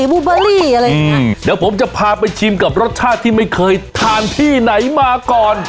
บูเบอรี่อะไรอย่างเงี้ยเดี๋ยวผมจะพาไปชิมกับรสชาติที่ไม่เคยทานที่ไหนมาก่อน